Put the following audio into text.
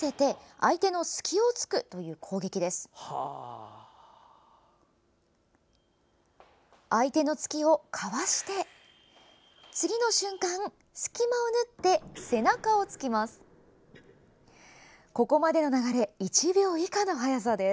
相手の突きをかわして次の瞬間、隙間を縫って背中を突きます。